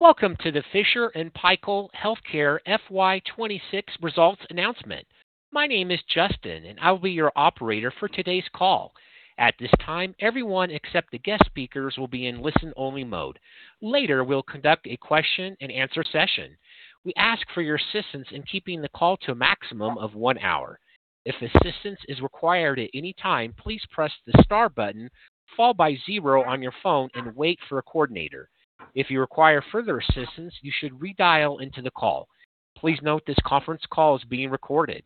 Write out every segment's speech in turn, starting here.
Welcome to the Fisher & Paykel Healthcare FY 2026 results announcement. My name is Justin, and I'll be your operator for today's call. At this time, everyone except the guest speakers will be in listen-only mode. Later, we'll conduct a question-and-answer session. We ask for your assistance in keeping the call to a maximum of one hour. If assistance is required at any time, please press the star button, followed by zero on your phone, and wait for a coordinator. If you require further assistance, you should redial into the call. Please note this conference call is being recorded.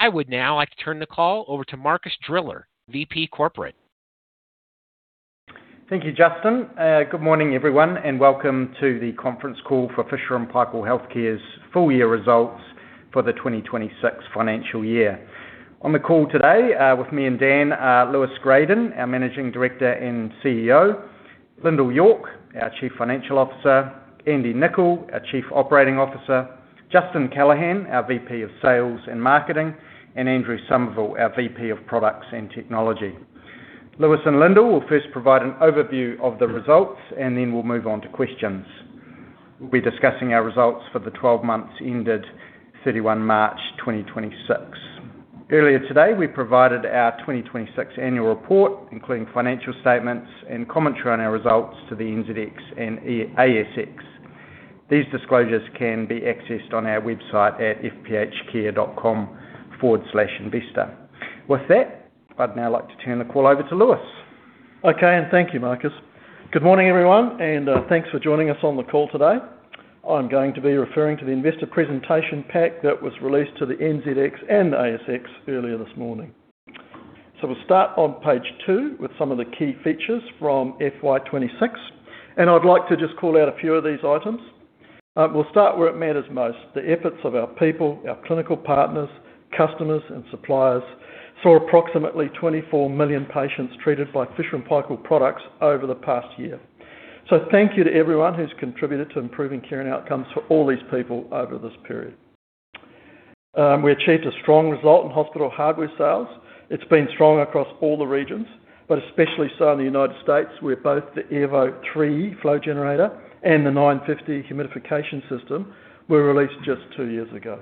I would now like to turn the call over to Marcus Driller, VP, Corporate. Thank you, Justin. Good morning, everyone, and welcome to the conference call for Fisher & Paykel Healthcare's full-year results for the 2026 financial year. On the call today with me and Dan are Lewis Gradon, our Managing Director and CEO; Lyndal York, our Chief Financial Officer; Andy Niccol, our Chief Operating Officer; Justin Callahan, our VP of Sales and Marketing; and Andrew Somervell, our VP of Products and Technology. Lewis and Lyndal will first provide an overview of the results, and then we'll move on to questions. We'll be discussing our results for the 12 months ended 31 March 2026. Earlier today, we provided our 2026 Annual Report, including financial statements and commentary on our results to the NZX and ASX. These disclosures can be accessed on our website at fphcare.com/investor. With that, I'd now like to turn the call over to Lewis. Okay, thank you, Marcus. Good morning, everyone, thanks for joining us on the call today. I'm going to be referring to the investor presentation pack that was released to the NZX and ASX earlier this morning. We'll start on page two with some of the key features from FY 2026, I'd like to just call out a few of these items. We'll start where it matters most, the efforts of our people, our clinical partners, customers, and suppliers saw approximately 24 million patients treated by Fisher & Paykel products over the past year. Thank you to everyone who's contributed to improving caring outcomes for all these people over this period. We achieved a strong result in hospital hardware sales. It's been strong across all the regions, but especially so in the United States, where both the Airvo 3 flow generator and the 950 Humidification System were released just two years ago.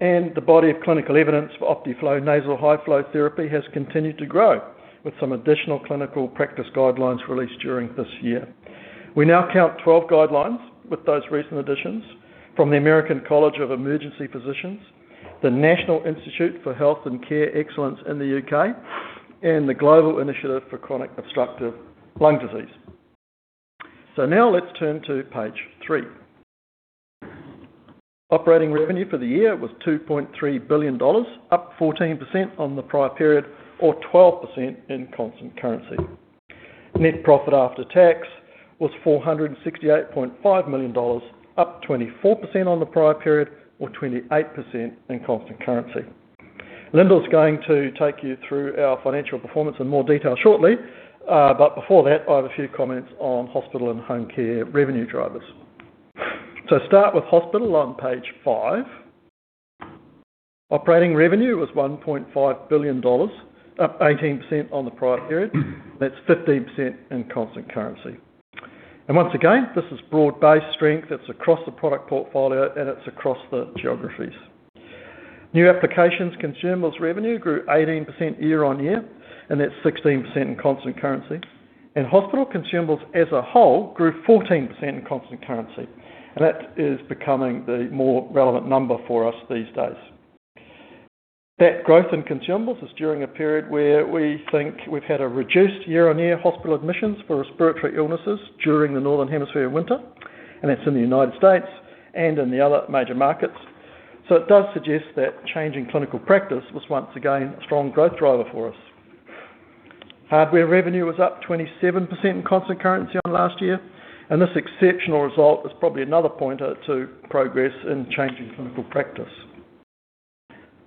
The body of clinical evidence for Optiflow nasal high flow therapy has continued to grow, with some additional clinical practice guidelines released during this year. We now count 12 guidelines with those recent additions from the American College of Emergency Physicians, the National Institute for Health and Care Excellence in the U.K., and the Global Initiative for Chronic Obstructive Lung Disease. Now let's turn to page three. Operating revenue for the year was 2.3 billion dollars, up 14% on the prior period or 12% in constant currency. Net profit after tax was NZD 468.5 million, up 24% on the prior period or 28% in constant currency. Lyndal's going to take you through our financial performance in more detail shortly. Before that, I have a few comments on Hospital and Homecare revenue drivers. Start with Hospital on page five. Operating revenue was 1.5 billion dollars, up 18% on the prior period, and that's 15% in constant currency. Once again, this is broad-based strength that's across the product portfolio and it's across the geographies. New applications consumables revenue grew 18% year-on-year, and that's 16% in constant currency. Hospital consumables as a whole grew 14% in constant currency, and that is becoming the more relevant number for us these days. That growth in consumables is during a period where we think we've had a reduced year-on-year hospital admissions for respiratory illnesses during the Northern Hemisphere winter, and that's in the United States. and in the other major markets. It does suggest that changing clinical practice was once again a strong growth driver for us. Hardware revenue was up 27% constant currency on last year. This exceptional result is probably another pointer to progress in changing clinical practice.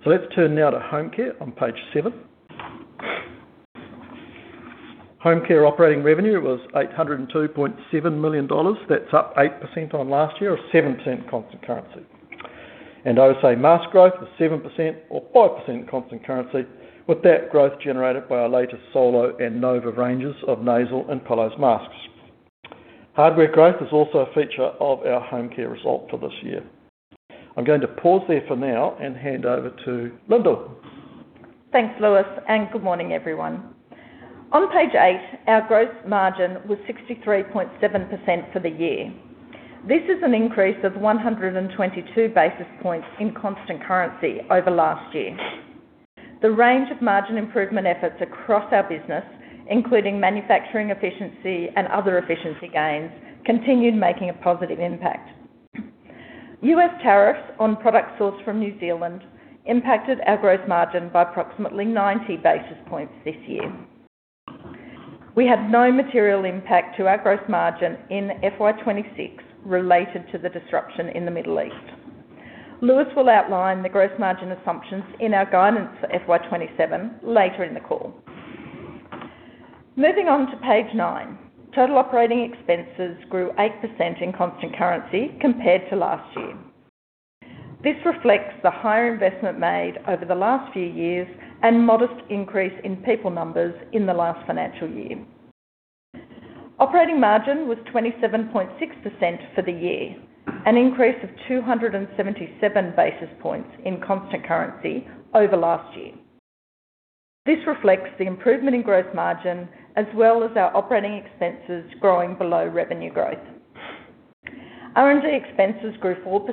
Let's turn now to Homecare on page seven. Homecare operating revenue was NZD 802.7 million. That's up 8% on last year or 7% constant currency. OSA mask growth was 7% or 5% constant currency, with that growth generated by our latest Solo and Nova ranges of nasal and pillows masks. Hardware growth is also a feature of our Homecare result for this year. I'm going to pause there for now and hand over to Lyndal. Thanks, Lewis, and good morning, everyone. On page eight, our gross margin was 63.7% for the year. This is an increase of 122 basis points in constant currency over last year. The range of margin improvement efforts across our business, including manufacturing efficiency and other efficiency gains, continued making a positive impact. U.S. tariffs on products sourced from New Zealand impacted our gross margin by approximately 90 basis points this year. We have no material impact to our gross margin in FY 2026 related to the disruption in the Middle East. Lewis will outline the gross margin assumptions in our guidance for FY 2027 later in the call. Moving on to page nine. Total operating expenses grew 8% in constant currency compared to last year. This reflects the higher investment made over the last few years and modest increase in people numbers in the last financial year. Operating margin was 27.6% for the year, an increase of 277 basis points in constant currency over last year. This reflects the improvement in gross margin as well as our operating expenses growing below revenue growth. R&D expenses grew 4%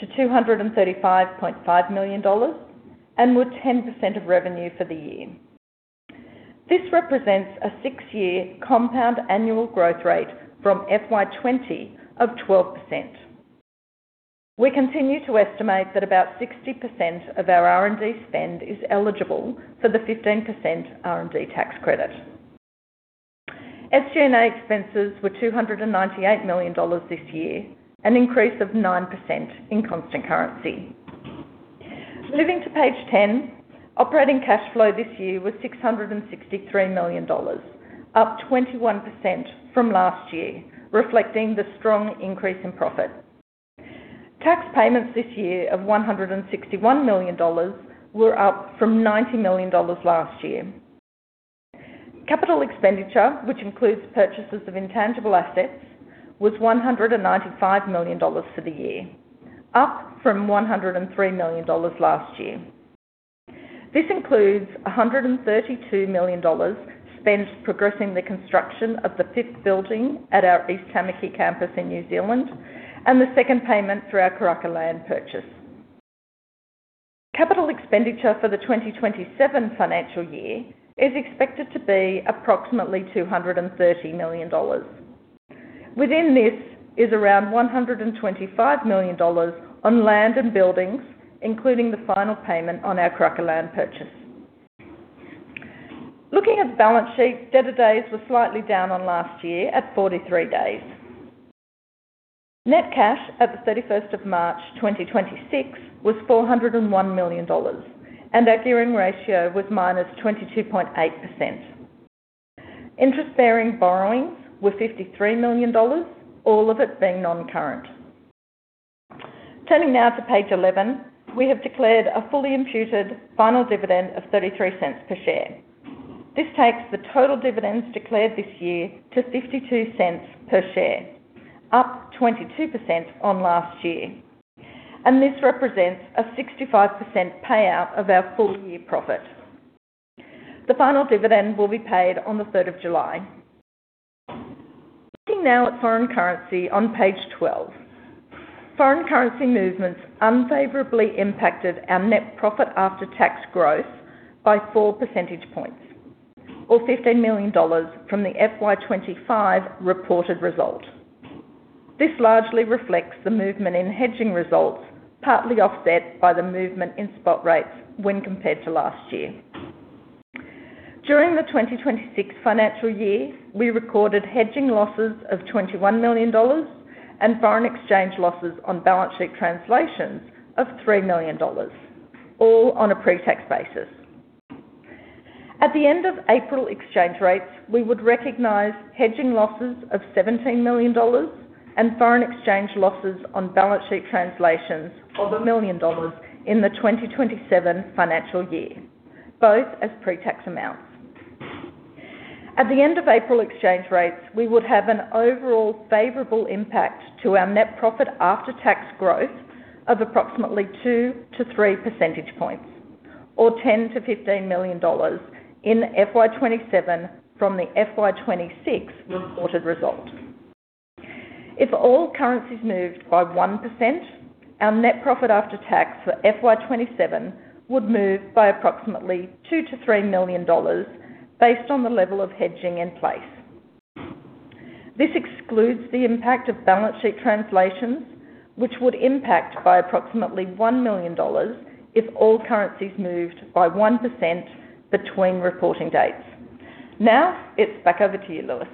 to 235.5 million dollars and were 10% of revenue for the year. This represents a six-year compound annual growth rate from FY 2020 of 12%. We continue to estimate that about 60% of our R&D spend is eligible for the 15% R&D tax credit. SG&A expenses were 298 million dollars this year, an increase of 9% in constant currency. Flipping to page 10, operating cash flow this year was 663 million dollars, up 21% from last year, reflecting the strong increase in profit. Tax payments this year of 161 million dollars were up from 90 million dollars last year. Capital expenditure, which includes purchases of intangible assets, was 195 million dollars for the year, up from 103 million dollars last year. This includes 132 million dollars spent progressing the construction of the fifth building at our East Tāmaki campus in New Zealand and the second payment for our Karaka land purchase. Capital expenditure for the 2027 financial year is expected to be approximately 230 million dollars. Within this is around 125 million dollars on land and buildings, including the final payment on our Karaka land purchase. Looking at the balance sheet, debtor days were slightly down on last year at 43 days. Net cash at the 31st of March 2026 was 401 million dollars, and our gearing ratio was -22.8%. Interest-bearing borrowings were 53 million dollars, all of it being non-current. Turning now to page 11, we have declared a fully imputed final dividend of 0.33 per share. This takes the total dividends declared this year to 0.52 per share, up 22% on last year. This represents a 65% payout of our full-year profit. The final dividend will be paid on the 3rd of July. Looking now at foreign currency on page 12. Foreign currency movements unfavorably impacted our net profit after tax growth by 4 percentage points or 15 million dollars from the FY 2025 reported result. This largely reflects the movement in hedging results, partly offset by the movement in spot rates when compared to last year. During the 2026 financial year, we recorded hedging losses of 21 million dollars and foreign exchange losses on balance sheet translations of 3 million dollars, all on a pre-tax basis. At the end of April exchange rates, we would recognize hedging losses of 17 million dollars and foreign exchange losses on balance sheet translations of 1 million dollars in FY 2027, both as pre-tax amounts. At the end of April exchange rates, we would have an overall favorable impact to our net profit after tax growth of approximately 2-3 percentage points or 10 million-15 million dollars in FY 2027 from the FY 2026 reported result. If all currencies moved by 1%, our net profit after tax for FY 2027 would move by approximately 2 million-3 million dollars based on the level of hedging in place. This excludes the impact of balance sheet translations, which would impact by approximately 1 million dollars if all currencies moved by 1% between reporting dates. It's back over to you, Lewis.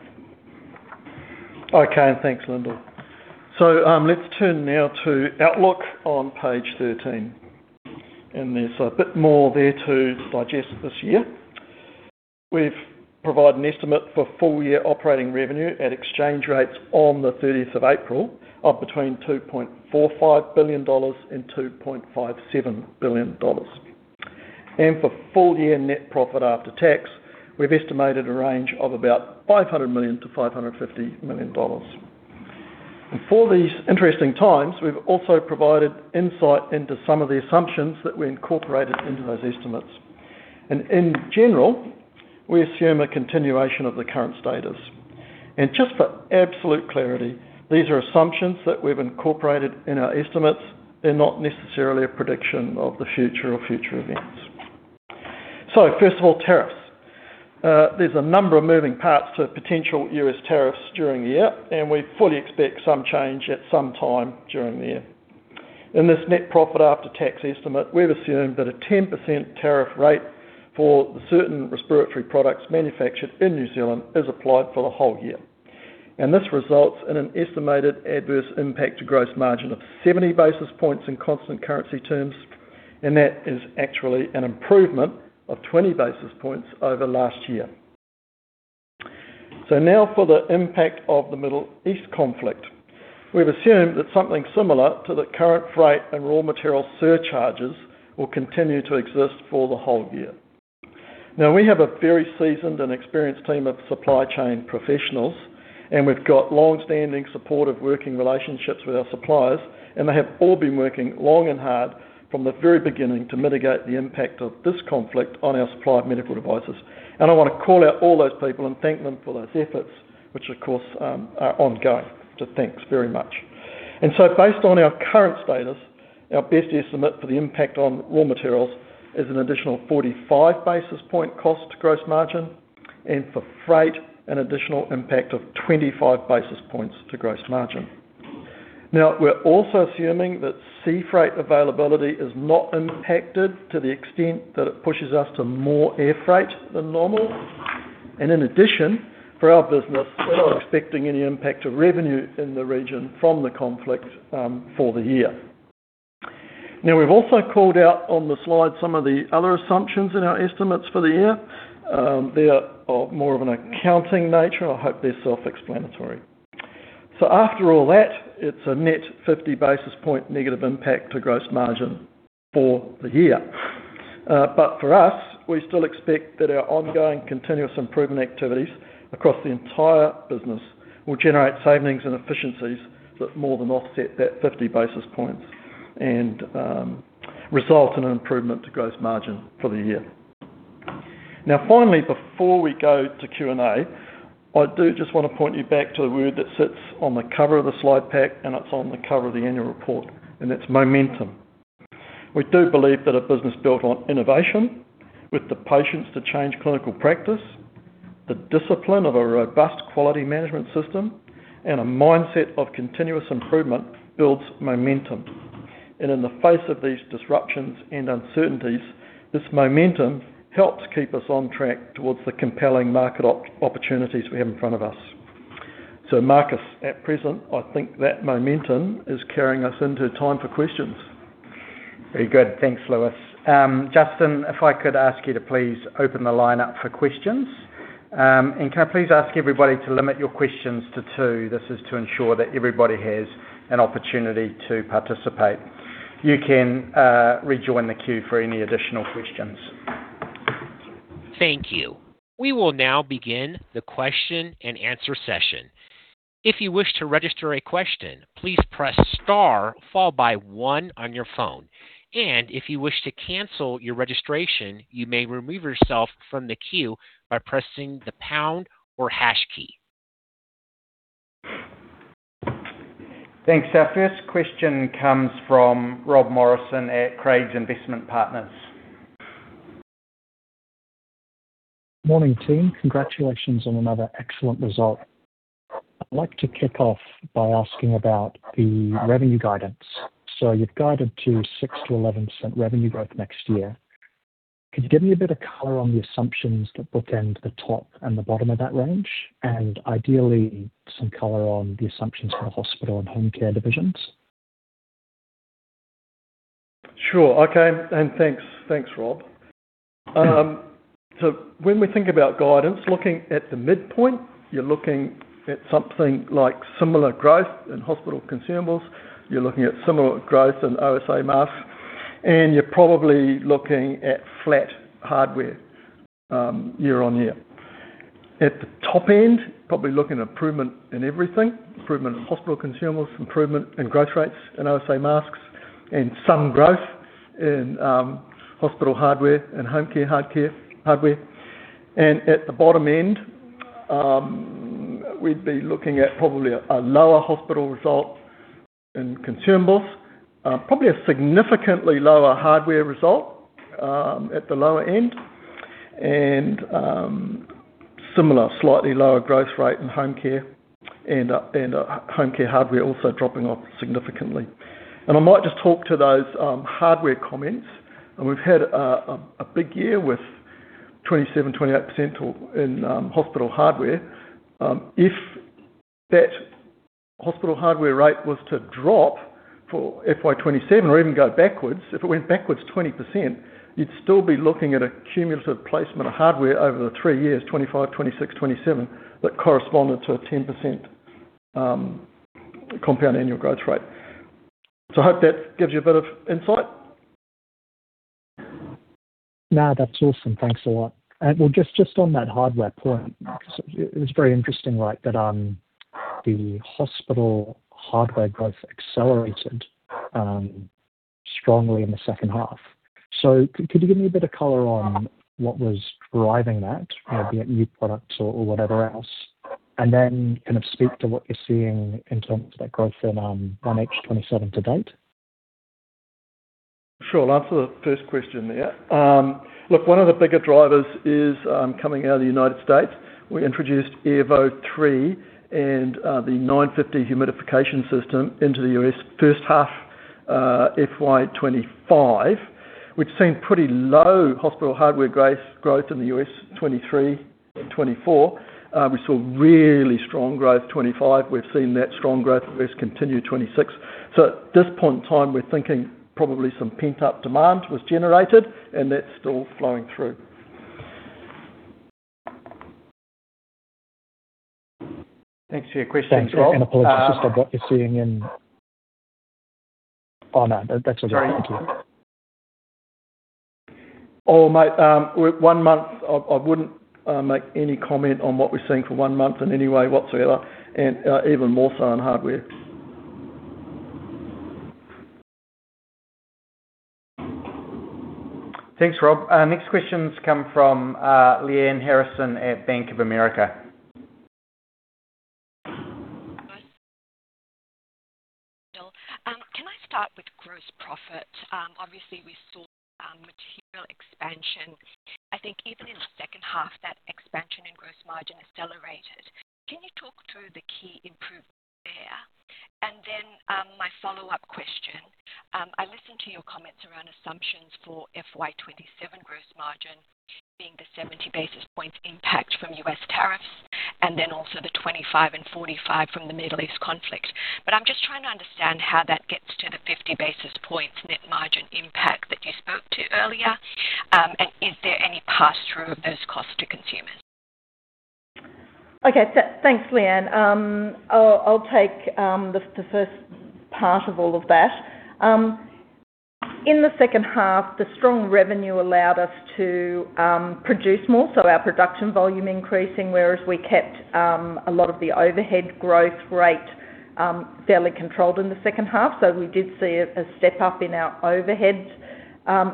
Okay. Thanks, Lyndal. Let's turn now to outlook on page 13. There's a bit more there to digest this year. We've provided an estimate for full-year operating revenue at exchange rates on the 30th of April of between 2.45 billion dollars and 2.57 billion dollars. For full-year net profit after tax, we've estimated a range of about 500 million to 550 million dollars. For these interesting times, we've also provided insight into some of the assumptions that we incorporated into those estimates. In general, we assume a continuation of the current status. Just for absolute clarity, these are assumptions that we've incorporated in our estimates. They're not necessarily a prediction of the future or future events. First of all, tariffs. There's a number of moving parts to potential U.S. tariffs during the year. We fully expect some change at some time during the year. In this net profit after tax estimate, we've assumed that a 10% tariff rate for certain respiratory products manufactured in New Zealand is applied for the whole year. This results in an estimated adverse impact to gross margin of 70 basis points in constant currency terms, and that is actually an improvement of 20 basis points over last year. For the impact of the Middle East conflict. We have a very seasoned and experienced team of supply chain professionals, and we've got longstanding supportive working relationships with our suppliers, and they have all been working long and hard from the very beginning to mitigate the impact of this conflict on our supply of medical devices. I want to call out all those people and thank them for those efforts, which of course, are ongoing. Thanks very much. Based on our current status, our best estimate for the impact on raw materials is an additional 45 basis point cost to gross margin and for freight, an additional impact of 25 basis points to gross margin. We're also assuming that sea freight availability is not impacted to the extent that it pushes us to more air freight than normal. In addition, for our business, we're not expecting any impact to revenue in the region from the conflict for the year. We've also called out on the slide some of the other assumptions in our estimates for the year. They are more of an accounting nature. I hope they're self-explanatory. After all that, it's a net 50 basis point negative impact to gross margin for the year. For us, we still expect that our ongoing continuous improvement activities across the entire business will generate savings and efficiencies that more than offset that 50 basis points and result in an improvement to gross margin for the year. Finally, before we go to Q&A, I do just want to point you back to a word that sits on the cover of the slide pack, and it's on the cover of the Annual Report, and that's momentum. We do believe that a business built on innovation, with the patience to change clinical practice, the discipline of a robust quality management system, and a mindset of continuous improvement builds momentum. In the face of these disruptions and uncertainties, this momentum helps keep us on track towards the compelling market opportunities we have in front of us. Marcus, at present, I think that momentum is carrying us into time for questions. Very good. Thanks, Lewis. Justin, if I could ask you to please open the line up for questions. Can I please ask everybody to limit your questions to two. This is to ensure that everybody has an opportunity to participate. You can rejoin the queue for any additional questions. Thank you. We will now begin the question-and-answer session. If you wish to register a question, please press star followed by one on your phone. And if you wish to cancel your registration, you may remove yourself from the queue by pressing the pound or hash key. Thanks. Our first question comes from Rob Morrison at Craigs Investment Partners. Morning, team. Congratulations on another excellent result. I'd like to kick off by asking about the revenue guidance. You've guided to 6%-11% revenue growth next year. Can you give me a bit of color on the assumptions that bookend the top and the bottom of that range, and ideally, some color on the assumptions for the Hospital and Homecare divisions? Sure. Okay. Thanks, Rob. When we think about guidance, looking at the midpoint, you're looking at something like similar growth in Hospital consumables, you're looking at similar growth in OSA masks, and you're probably looking at flat hardware year-on-year. At the top end, probably looking at improvement in everything, improvement in hospital consumables, improvement in growth rates in OSA masks, and some growth in hospital hardware and homecare hardware. At the bottom end, we'd be looking at probably a lower hospital result in consumables, probably a significantly lower hardware result at the lower end, and similar, slightly lower growth rate in homecare and homecare hardware also dropping off significantly. I might just talk to those hardware comments, and we've had a big year with 27%, 28% in hospital hardware. If that hospital hardware rate was to drop for FY 2027 or even go backwards, if it went backwards 20%, you'd still be looking at a cumulative placement of hardware over the three years, 2025, 2026, 2027, that corresponded to a 10% compound annual growth rate. I hope that gives you a bit of insight. No, that's awesome. Thanks a lot. Just on that hardware point, it was very interesting, right, that the hospital hardware growth accelerated strongly in the second half. Could you give me a bit of color on what was driving that, maybe new products or whatever else? Then kind of speak to what you're seeing in terms of that growth in 1H 2027 to date. Sure. I'll answer the first question there. Look, one of the bigger drivers is coming out of the United States. We introduced Airvo 3 and the 950 Humidification System into the U.S. first half FY 2025. We'd seen pretty low hospital hardware growth in the U.S. 2023 and 2024. We saw really strong growth 2025. We've seen that strong growth continue 2026. At this point in time, we're thinking probably some pent-up demand was generated, and that's still flowing through. Thanks for your question, Rob. Thanks. Apologies for what you're seeing in— Oh, no. That's all right. Thank you. Oh, mate, one month, I wouldn't make any comment on what we're seeing for one month in any way whatsoever, and even more so on hardware. Thanks, Rob. Next questions come from Lyanne Harrison at Bank of America. Can I start with gross profit? Obviously, we saw material expansion. I think even in the second half, that expansion in gross margin accelerated. Can you talk through the key improvements there? My follow-up question, I listened to your comments around assumptions for FY 2027 gross margin being the 70 basis points impact from the U.S. tariffs and then also the 25 and 45 [basis points] from the Middle East conflict. I'm just trying to understand how that gets to the 50 basis points net margin impact that you spoke to earlier. Is there any pass-through of those costs to consumers? Okay. Thanks, Lyanne. I'll take the first part of all of that. The second half, the strong revenue allowed us to produce more, so our production volume increasing, whereas we kept a lot of the overhead growth rate fairly controlled in the second half. We did see a step-up in our overhead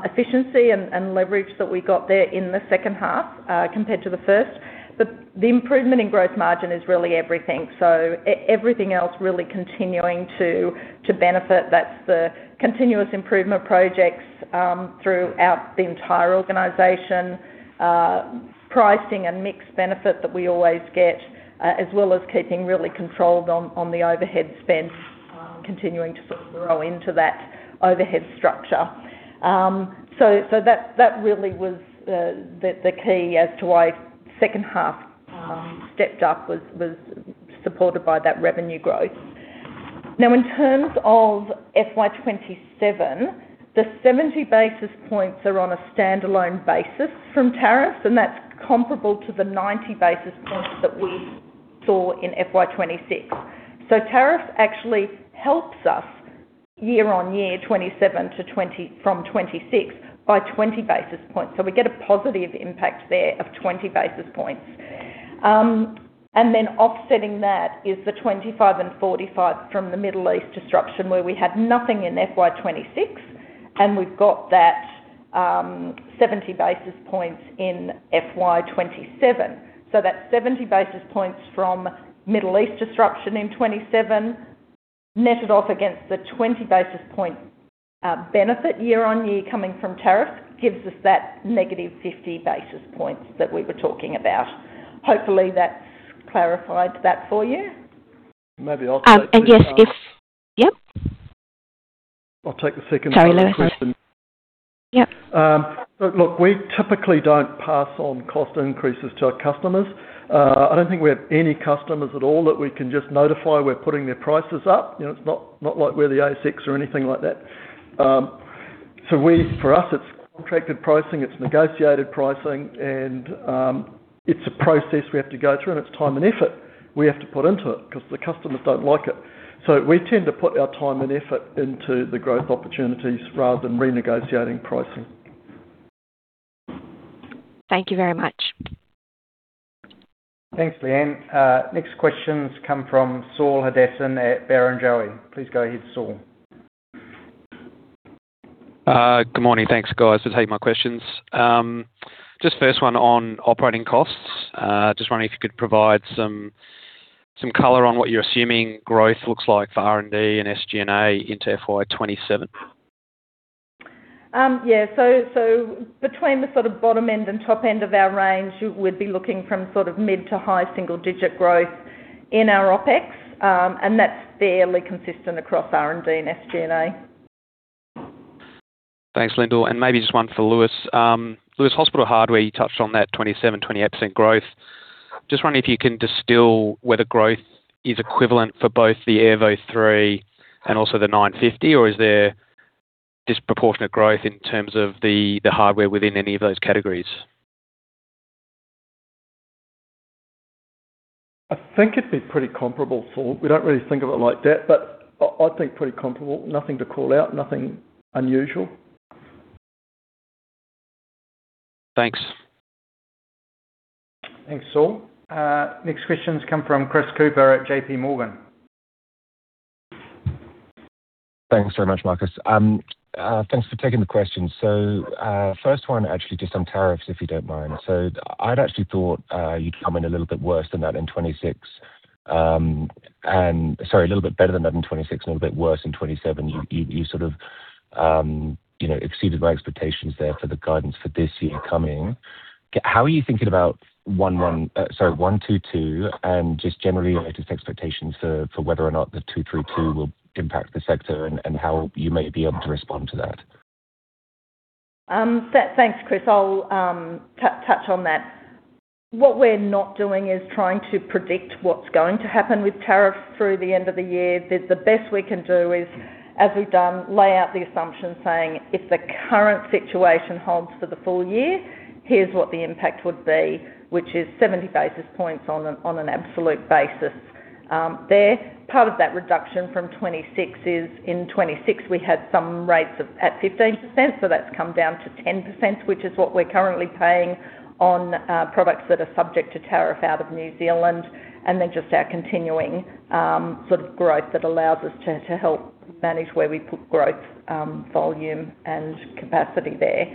efficiency and leverage that we got there in the second half compared to the first. The improvement in gross margin is really everything. Everything else really continuing to benefit. That's the continuous improvement projects throughout the entire organization, pricing and mix benefit that we always get, as well as keeping really controlled on the overhead spend, continuing to grow into that overhead structure. That really was the key as to why second half stepped up was supported by that revenue growth. In terms of FY 2027, the 70 basis points are on a standalone basis from tariffs. That's comparable to the 90 basis points that we saw in FY 2026. Tariffs actually helps us year-on-year, 2027 from 2026, by 20 basis points. We get a positive impact there of 20 basis points. Offsetting that is the 25 and 45 [basis points] from the Middle East disruption, where we have nothing in FY 2026, and we've got that 70 basis points in FY 2027. That 70 basis points from Middle East disruption in 2027 netted off against the 20 basis point benefit year-on-year coming from tariffs gives us that -50 basis points that we were talking about. Hopefully that's clarified that for you. Maybe I'll take the second one. Yep. I'll take the second part of the question. Sorry Lewis, yep. We typically don't pass on cost increases to our customers. I don't think we have any customers at all that we can just notify we're putting their prices up. It's not like we're the ASX or anything like that. For us, it's contracted pricing, it's negotiated pricing, and it's a process we have to go through, and it's time and effort we have to put into it because the customers don't like it. We tend to put our time and effort into the growth opportunities rather than renegotiating pricing. Thank you very much. Thanks, Lyanne. Next questions come from Saul Hadassin at Barrenjoey. Please go ahead, Saul. Good morning. Thanks, guys. For taking my questions. Just first one on operating costs. Just wondering if you could provide some color on what you're assuming growth looks like for R&D and SG&A into FY 2027. Yeah. Between the sort of bottom end and top end of our range, we'd be looking from mid to high single-digit growth in our OpEx, and that's fairly consistent across R&D and SG&A. Thanks, Lyndal. Maybe just one for Lewis. Lewis, hospital hardware, you touched on that 27%, 28% growth. Just wondering if you can distill whether growth is equivalent for both the Airvo 3 and also the 950, or is there disproportionate growth in terms of the hardware within any of those categories? I think it'd be pretty comparable, Saul. We don't really think of it like that, but I'd think pretty comparable. Nothing to call out, nothing unusual. Thanks. Thanks, Saul. Next questions come from Chris Cooper at JPMorgan. Thanks very much, Marcus. Thanks for taking the question. First one actually just on tariffs, if you don't mind. I'd actually thought you'd come in a little bit worse than that in 2026. Sorry, a little bit better than that in 2026, a little bit worse in 2027. You sort of exceeded my expectations there for the guidance for this year coming. How are you thinking about sorry, 122, just generally just expectations for whether or not the 232 will impact the sector and how you may be able to respond to that? Thanks, Chris. I'll touch on that. What we're not doing is trying to predict what's going to happen with tariffs through the end of the year. The best we can do is, as we've done, lay out the assumptions saying if the current situation holds for the full year, here's what the impact would be, which is 70 basis points on an absolute basis. There, part of that reduction from 2026 is in 2026, we had some rates at 15%, so that's come down to 10%, which is what we're currently paying on products that are subject to tariff out of New Zealand, and then just our continuing growth that allows us to help manage where we put growth volume and capacity there.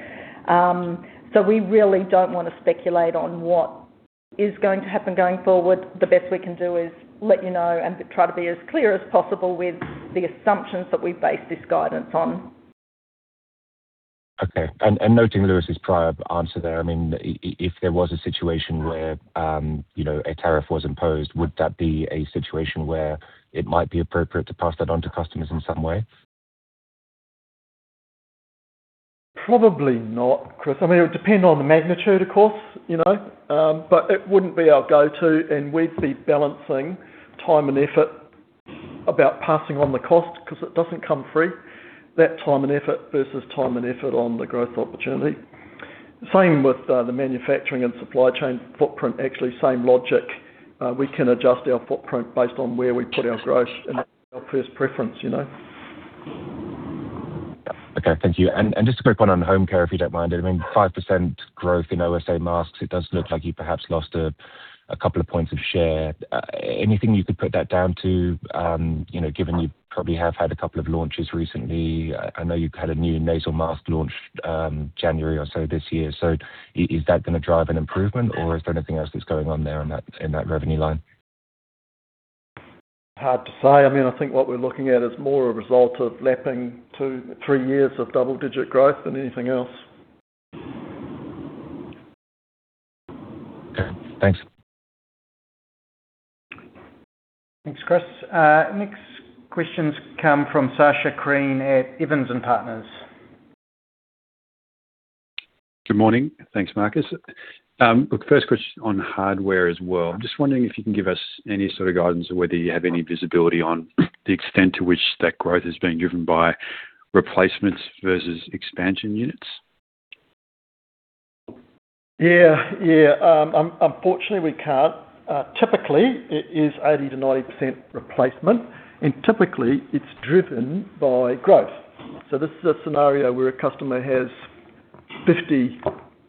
We really don't want to speculate on what is going to happen going forward. The best we can do is let you know and try to be as clear as possible with the assumptions that we base this guidance on. Okay. No two ways to try to answer there. If there was a situation where a tariff was imposed, would that be a situation where it might be appropriate to pass that on to customers in some way? Probably not, Chris. It would depend on the magnitude, of course. It wouldn't be our go-to, and we'd be balancing time and effort about passing on the cost because it doesn't come free. That time and effort versus time and effort on the growth opportunity. Same with the manufacturing and supply chain footprint, actually same logic. We can adjust our footprint based on where we put our growth, and that's our first preference. Okay, thank you. Just to quick point on Homecare, if you don't mind. 5% growth in OSA masks, it does look like you perhaps lost a couple of points of share. Anything you could put that down to, given you probably have had a couple of launches recently. I know you've had a new Nasal mask launch January or so this year. Is that going to drive an improvement or is there anything else that's going on there in that revenue line? Hard to say. I think what we're looking at is more a result of lapping two, three years of double-digit growth than anything else. Okay, thanks. Thanks, Chris. Next questions come from Sacha Krien at Evans & Partners. Good morning. Thanks, Marcus. Look, first question on hardware as well. Just wondering if you can give us any sort of guidance on whether you have any visibility on the extent to which that growth has been driven by replacements versus expansion units? Unfortunately, we can't. Typically, it is 80%-90% replacement, typically it's driven by growth. This is a scenario where a customer has 50,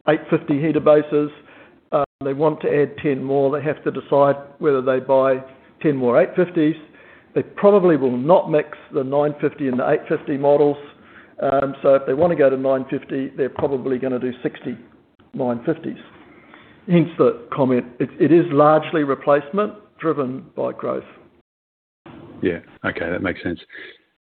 850 heater bases. They want to add 10 more. They have to decide whether they buy 10 more 850s. They probably will not mix the 950 and the 850 models. If they want to go to 950, they're probably going to do 60 950s. Hence the comment. It is largely replacement driven by growth. Yeah. Okay, that makes sense.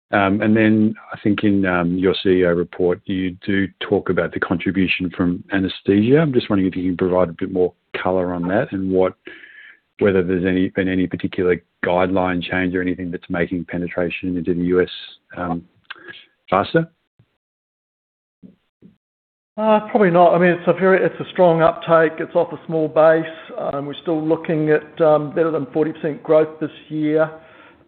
Then I think in your CEO Report, you do talk about the contribution from anesthesia. I'm just wondering if you can provide a bit more color on that and whether there's been any particular guideline change or anything that's making penetration into the U.S. faster. Probably not. It's a strong uptake. It's off a small base. We're still looking at better than 40% growth this year.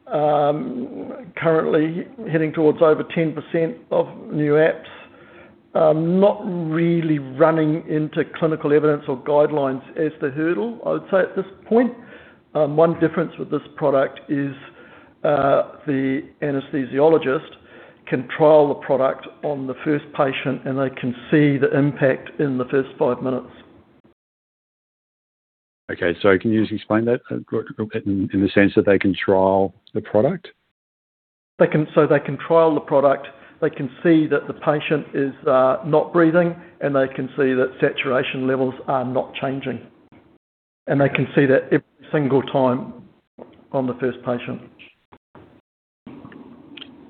Currently heading towards over 10% of new apps. Not really running into clinical evidence or guidelines as the hurdle, I would say at this point. One difference with this product is, the anesthesiologist can trial the product on the first patient, and they can see the impact in the first five minutes. Okay, can you just explain that in the sense that they can trial the product? They can trial the product. They can see that the patient is not breathing, and they can see that saturation levels are not changing, and they can see that every single time on the first patient.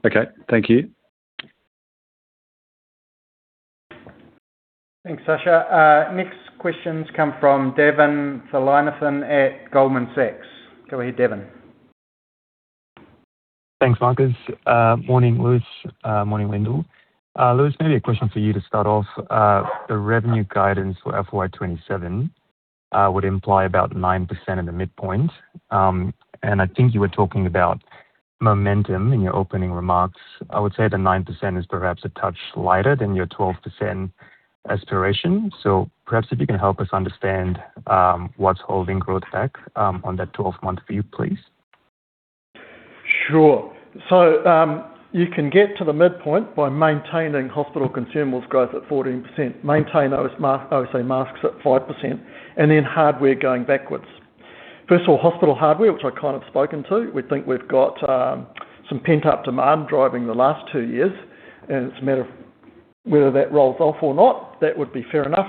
Okay, thank you. Thanks, Sacha. Next questions come from Davin Thillainathan at Goldman Sachs. Go ahead, Davin. Thanks, Marcus. Morning, Lewis. Morning, Lyndal. Lewis, maybe a question for you to start off. The revenue guidance for FY 2027 would imply about 9% at the midpoint. I think you were talking about momentum in your opening remarks. I would say the 9% is perhaps a touch lighter than your 12% aspiration. Perhaps if you can help us understand what's holding growth back on that 12-month view, please. Sure. You can get to the midpoint by maintaining hospital consumables growth at 14%, maintain OSA masks at 5%, and then hardware going backwards. First of all, hospital hardware, which I kind of spoken to. We think we've got some pent-up demand driving the last two years, and it's a matter of whether that rolls off or not, that would be fair enough.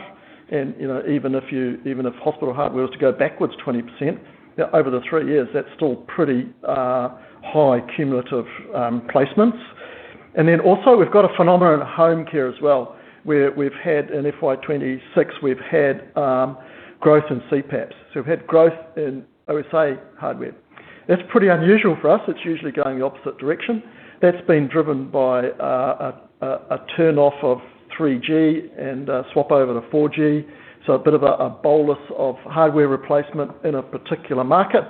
Even if hospital hardware was to go backwards 20% over the three years, that's still pretty high cumulative placements. Also we've got a phenomenon at Homecare as well, where we've had in FY 2026, we've had growth in CPAPs. We've had growth in OSA hardware. That's pretty unusual for us. It's usually going the opposite direction. That's been driven by a turn-off of 3G and a swap over to 4G. A bit of a bolus of hardware replacement in a particular market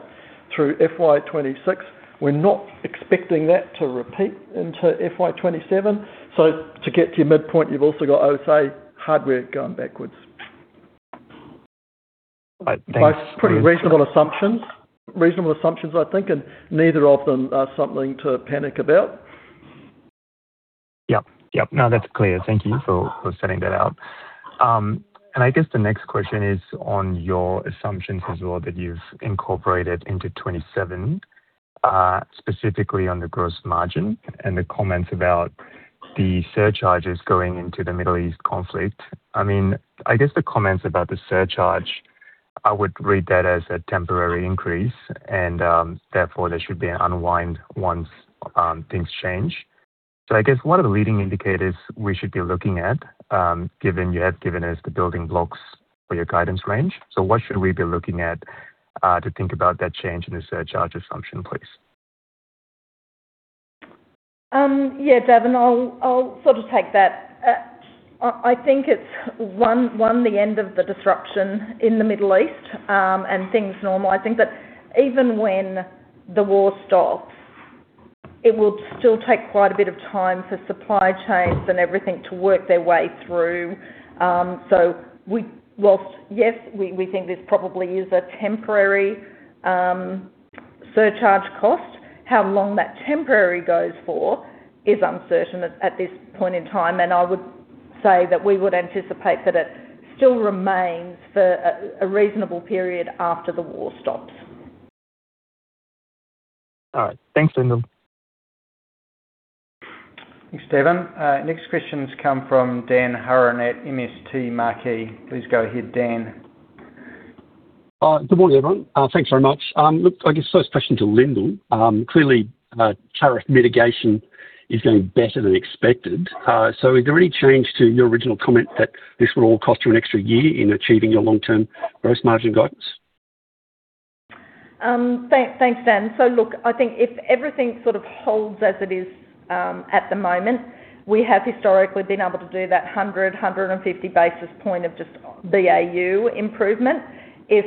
through FY 2026. We're not expecting that to repeat into FY 2027. To get to your midpoint, you've also got OSA hardware going backwards. Pretty reasonable assumptions. Reasonable assumptions, I think, and neither of them are something to panic about. Yep. No, that's clear. Thank you for setting that out. I guess the next question is on your assumptions as well that you've incorporated into 2027, specifically on the gross margin and the comments about the surcharges going into the Middle East conflict. I guess the comments about the surcharge, I would read that as a temporary increase and, therefore, there should be an unwind once things change. I guess what are the leading indicators we should be looking at, given you have given us the building blocks for your guidance range? What should we be looking at to think about that change in the surcharge assumption, please? Yeah, Davin, I'll take that. I think it's, one, the end of the disruption in the Middle East, and things normalizing. Even when the war stops, it will still take quite a bit of time for supply chains and everything to work their way through. Whilst yes, we think this probably is a temporary surcharge cost, how long that temporary goes for is uncertain at this point in time. I would say that we would anticipate that it still remains for a reasonable period after the war stops. All right. Thanks, Lyndal. Thanks, Davin. Next questions come from Dan Hurren at MST Marquee. Please go ahead, Dan. Good morning, everyone. Thanks very much. Look, I guess first question to Lyndal. Clearly, tariff mitigation is going better than expected. Has there any change to your original comment that this will all cost you an extra year in achieving your long-term gross margin guidance? Thanks, Dan. Look, I think if everything holds as it is at the moment, we have historically been able to do that 100, 150 basis points of just BAU improvement. If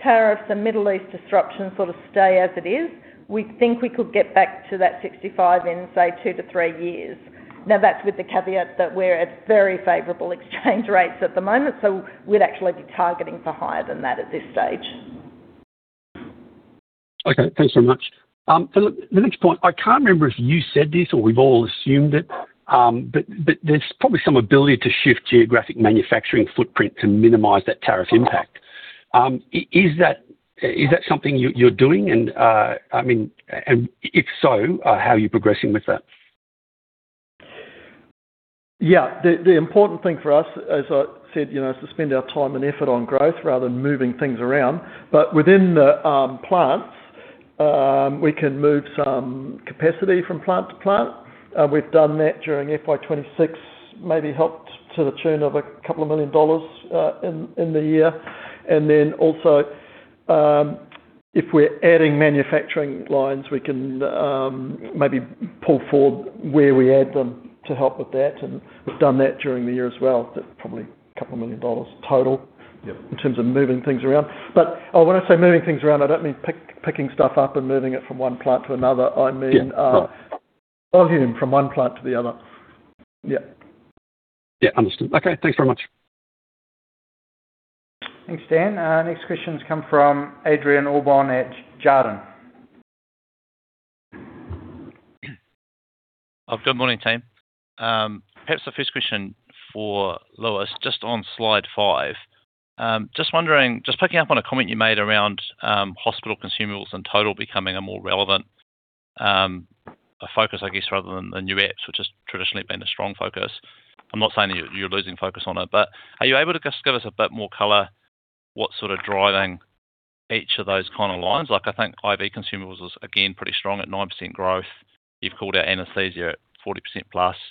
tariffs and Middle East disruption stay as it is, we think we could get back to that 65 in, say, two to three years. That's with the caveat that we're at very favorable exchange rates at the moment, so we'd actually be targeting for higher than that at this stage. Okay, thanks so much. For the next point, I can't remember if you said this or we've all assumed it. There's probably some ability to shift geographic manufacturing footprint to minimize that tariff impact. Is that something you're doing and, if so, how are you progressing with that? Yeah. The important thing for us, as I said, is to spend our time and effort on growth rather than moving things around. Within the plants, we can move some capacity from plant to plant. We've done that during FY 2026, maybe helped to the tune of a couple million dollars in the year. Also, if we're adding manufacturing lines, we can maybe pull forward where we add them to help with that. We've done that during the year as well. That's probably a couple million dollars total— Yeah. —in terms of moving things around. When I say moving things around, I don't mean picking stuff up and moving it from one plant to another, I mean, volume from one plant to the other. Yeah. Yeah. Understood. Okay, thanks very much. Thanks, Dan. Next questions come from Adrian Allbon at Jarden. Good morning, team. Perhaps the first question for Lewis, just on slide five. Just picking up on a comment you made around hospital consumables in total becoming a more relevant focus, I guess, rather than the new apps, which has traditionally been a strong focus. I'm not saying you're losing focus on it, are you able to just give us a bit more color what's driving each of those lines? I think IV consumables is again, pretty strong at 90% growth. You've called out anesthesia at 40%+,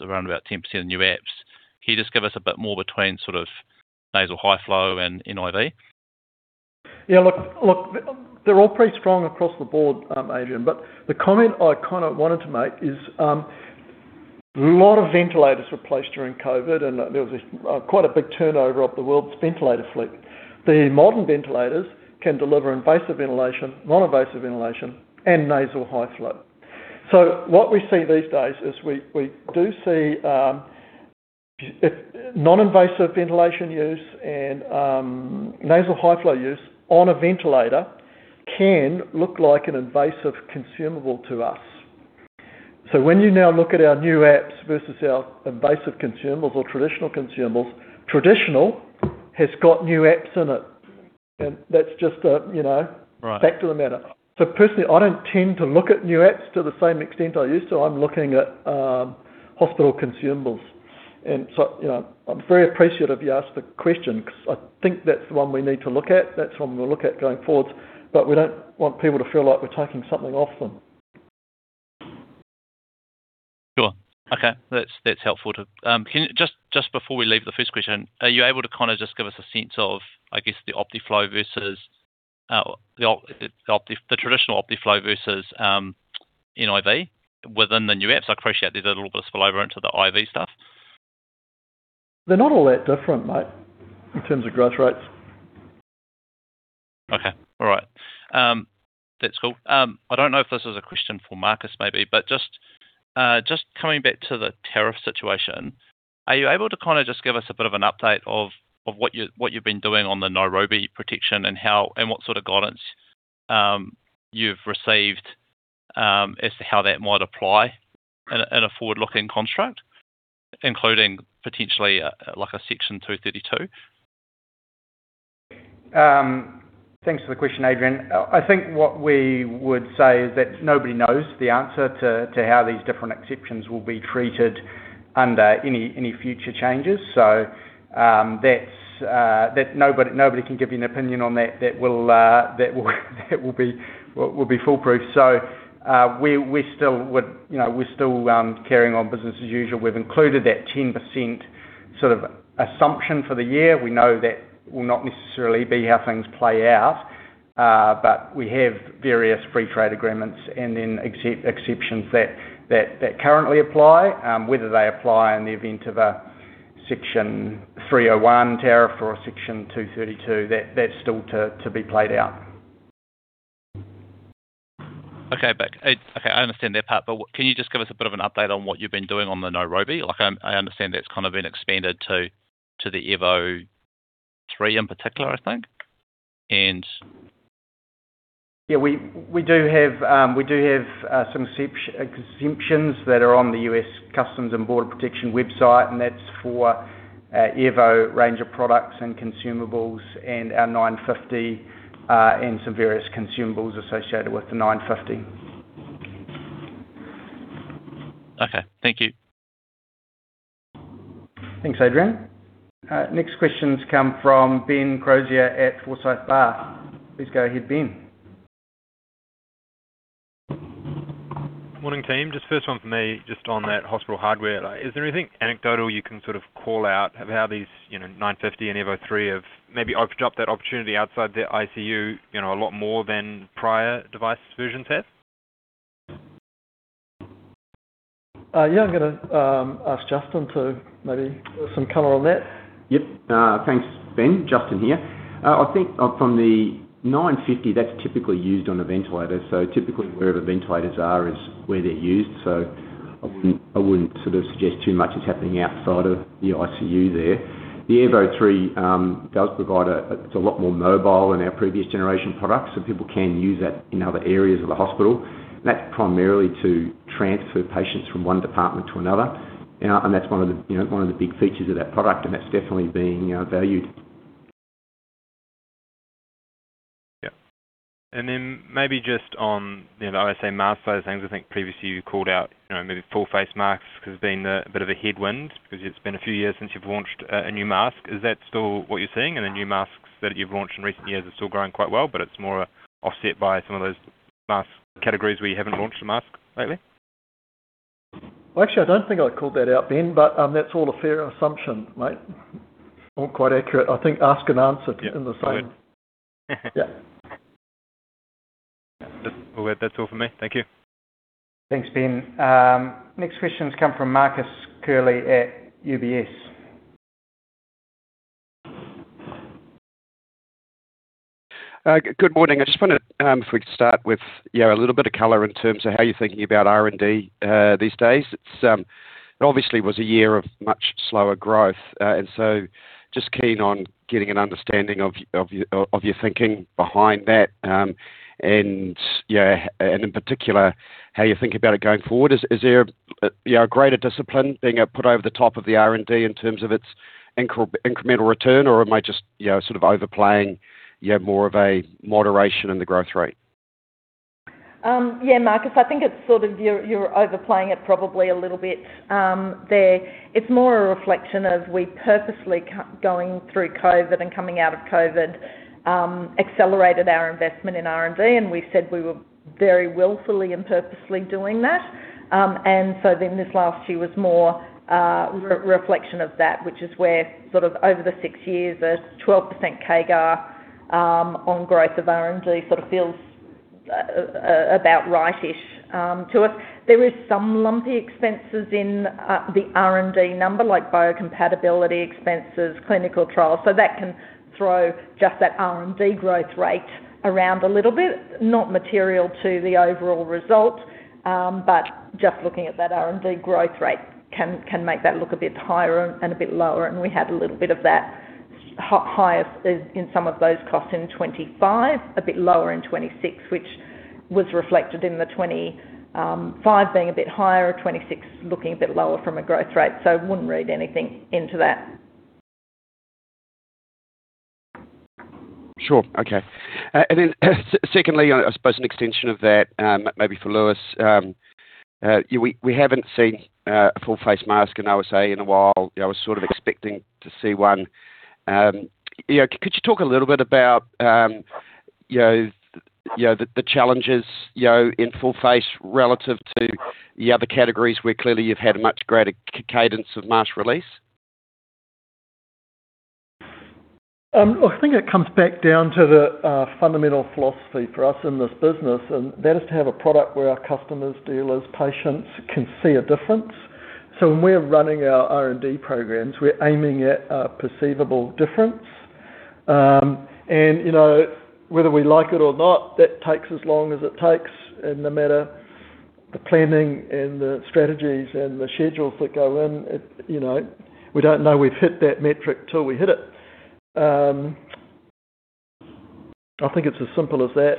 around about 10% new apps. Can you just give us a bit more between nasal high flow and NIV? Yeah, look, they're all pretty strong across the board, Adrian. The comment I wanted to make is a lot of ventilators were placed during COVID, and there was this quite a big turnover of the world's ventilator fleet. The modern ventilators can deliver invasive ventilation, non-invasive ventilation, and nasal high flow. What we see these days is we do see non-invasive ventilation use and nasal high flow use on a ventilator can look like an invasive consumable to us. When you now look at our new apps versus our invasive consumables or traditional consumables, traditional has got new apps in it, and that's just a, you know— Right. —fact of the matter. Personally, I don't tend to look at new apps to the same extent I used to. I'm looking at hospital consumables. I'm very appreciative you asked the question because I think that's the one we need to look at. That's one we'll look at going forwards, but we don't want people to feel like we're taking something off them. Sure. Okay. That's helpful. Just before we leave the first question, are you able to just give us a sense of, I guess, the traditional Optiflow versus NIV within the new apps? I appreciate there's a little bit of spillover into the IV stuff. They're not all that different, mate, in terms of growth rates. Okay. All right. That's cool. I don't know if this is a question for Marcus maybe, but just coming back to the tariff situation, are you able to just give us a bit of an update of what you've been doing on the Nairobi protection and what sort of guidance you've received as to how that might apply in a forward-looking construct, including potentially like a Section 232? Thanks for the question, Adrian. I think what we would say is that nobody knows the answer to how these different exceptions will be treated under any future changes. Nobody can give you an opinion on that will be foolproof. We're still carrying on business as usual. We've included that 10% sort of assumption for the year. We know that will not necessarily be how things play out. We have various free trade agreements and then exceptions that currently apply. Whether they apply in the event of a Section 301 tariff or a Section 232, that's still to be played out. Okay. I understand that part, can you just give us a bit of an update on what you've been doing on the Nairobi? I understand that's kind of been expanded to the Airvo 3 in particular, I think. We do have some exceptions that are on the U.S. Customs and Border Protection website, and that's for Airvo range of products and consumables and our 950, and some various consumables associated with the 950. Okay. Thank you. Thanks, Adrian. Next questions come from Ben Crozier at Forsyth Barr. Please go ahead, Ben. Morning, team. Just first one from me, just on that hospital hardware. Is there anything anecdotal you can sort of call out of how these, 950 and Airvo 3 have maybe opened up that opportunity outside the ICU, a lot more than prior device versions have? Yeah, I'm going to ask Justin for maybe some color on that. Yep. Thanks, Ben. Justin here. I think from the 950, that's typically used on a ventilator. Typically, where the ventilators are is where they're used. I wouldn't suggest too much is happening outside of the ICU there. The Airvo 3 does provide. It's a lot more mobile than our previous generation products, so people can use that in other areas of the hospital. That's primarily to transfer patients from one department to another. That's one of the big features of that product, and that's definitely being valued. Yeah. Then maybe just on the OSA mask, those things, I think previously you called out, the full face masks as being a bit of a headwind because it's been a few years since you've launched a new mask. Is that still what you're seeing in the new masks that you've launched in recent years are still going quite well, but it's more offset by some of those mask categories where you haven't launched a mask lately? Well, actually, I don't think I called that out, Ben, but that's all a fair assumption, mate. All quite accurate. I think asked and answered in the same. Yeah. Yeah. That's all for me. Thank you. Thanks, Ben. Next questions come from Marcus Curley at UBS. Good morning. I just wonder if we could start with a little bit of color in terms of how you're thinking about R&D these days. It obviously was a year of much slower growth. Just keen on getting an understanding of your thinking behind that, and in particular, how you think about it going forward. Is there a greater discipline being put over the top of the R&D in terms of its incremental return, or am I just sort of overplaying more of a moderation in the growth rate? Yeah, Marcus, I think you're overplaying it probably a little bit there. It's more a reflection of we purposely going through COVID and coming out of COVID, accelerated our investment in R&D, and we said we were very willfully and purposely doing that. This last year was more a reflection of that, which is where sort of over the six years, a 12% CAGR on growth of R&D sort of feels about right-ish to us. There is some lumpy expenses in the R&D number, like biocompatibility expenses, clinical trials. That can throw just that R&D growth rate around a little bit. Not material to the overall results, but just looking at that R&D growth rate can make that look a bit higher and a bit lower, and we had a little bit of that higher in some of those costs in 2025, a bit lower in 2026, which was reflected in the 2025 being a bit higher, 2026 looking a bit lower from a growth rate. I wouldn't read anything into that. Sure. Okay. Then secondly, I suppose an extension of that, maybe for Lewis. We haven't seen a full face mask in OSA in a while. I was sort of expecting to see one. Could you talk a little bit about the challenges in full face relative to the other categories where clearly you've had a much greater cadence of mask release? I think it comes back down to the fundamental philosophy for us in this business, and that is to have a product where our customers, dealers, patients can see a difference. When we're running our R&D programs, we're aiming at a perceivable difference. Whether we like it or not, that takes as long as it takes. No matter the planning and the strategies and the schedules that go in, we don't know we've hit that metric till we hit it. I think it's as simple as that.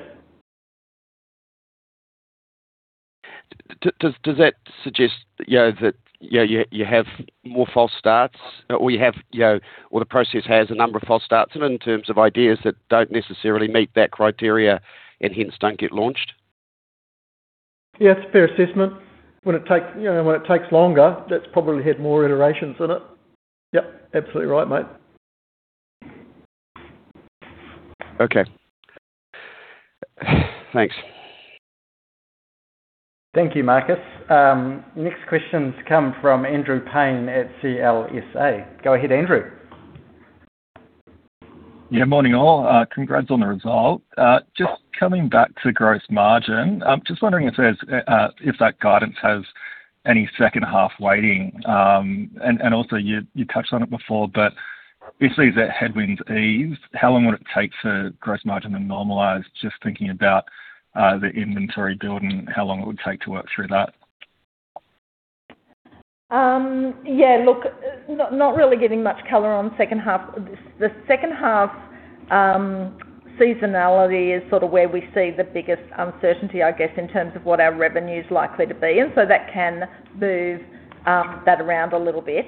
Does that suggest that you have more false starts, or the process has a number of false starts in terms of ideas that don't necessarily meet that criteria and hence don't get launched? Yeah, fair assessment. When it takes longer, that's probably had more iterations in it. Yep, absolutely right, mate. Okay. Thanks. Thank you, Marcus. Next questions come from Andrew Paine at CLSA. Go ahead, Andrew. Yeah, morning all. Congrats on the result. Just coming back to gross margin, just wondering if that guidance has any second half weighting. Also, you touched on it before, but if these headwinds ease, how long would it take for gross margin to normalize, just thinking about the inventory building and how long it would take to work through that? Yeah, look, not really giving much color on the second half. The second half seasonality is where we see the biggest uncertainty, I guess, in terms of what our revenue is likely to be. That can move that around a little bit.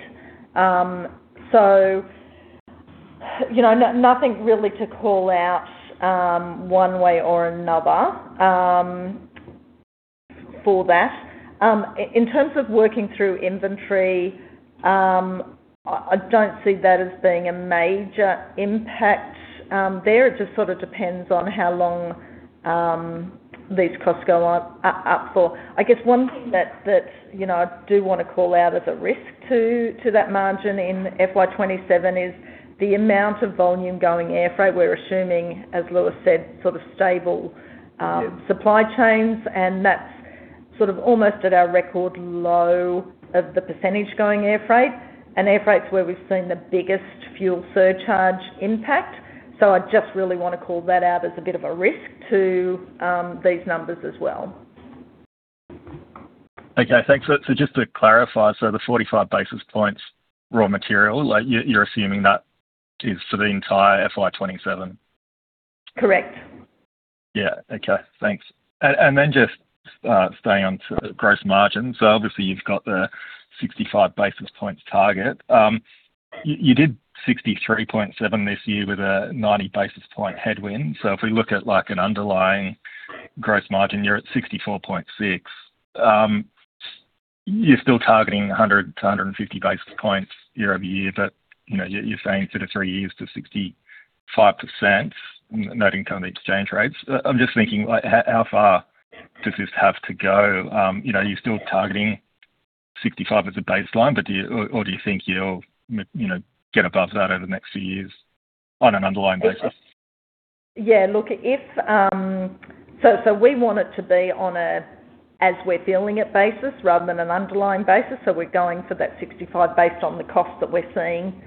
Nothing really to call out one way or another for that. In terms of working through inventory, I don't see that as being a major impact there. It just depends on how long these costs go on up for. I guess one thing that I do want to call out as a risk to that margin in FY 2027 is the amount of volume going air freight. We're assuming, as Lewis said, stable supply chains, and that's almost at our record low of the percentage going air freight. Air freight's where we've seen the biggest fuel surcharge impact. I'd just really want to call that out as a bit of a risk to these numbers as well. Okay, thanks. Just to clarify, the 45 basis points raw material, you're assuming that is for the entire FY 2027? Correct. Yeah. Okay, thanks. Just staying on to gross margin. Obviously you've got the 65 basis points target. You did 63.7% this year with a 90 basis point headwind. If we look at an underlying gross margin, you're at 64.6%. You're still targeting 100-150 basis points year-over-year, but you're saying two to three years to 65%, noting current exchange rates. I'm just thinking, how far does this have to go? You're still targeting 65% as a baseline, or do you think you'll get above that over the next few years on an underlying basis? Yeah, look, we want it to be on a as we're billing it basis rather than an underlying basis. We're going for that 65% based on the cost that we're seeing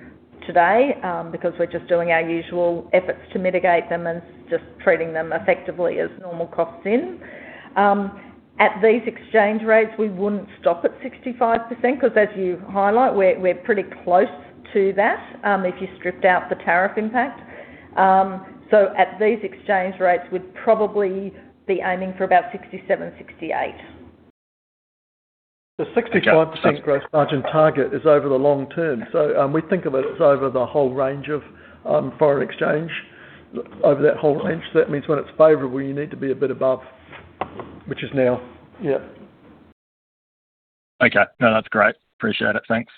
today, because we're just doing our usual efforts to mitigate them and just treating them effectively as normal costs in. At these exchange rates, we wouldn't stop at 65%, because as you highlight, we're pretty close to that, if you stripped out the tariff impact. At these exchange rates, we'd probably be aiming for about 67%, 68%. The 65% gross margin target is over the long term. We think of it over the whole range of foreign exchange. Over that whole range, that means when it's favorable, you need to be a bit above, which is now. Yeah. Okay. That's great. Appreciate it. Thanks.